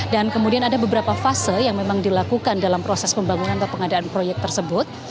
dan kemudian ada beberapa fase yang memang dilakukan dalam proses pembangunan atau pengadaan proyek tersebut